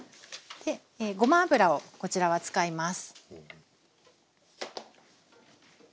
ごま油をこちらは使います。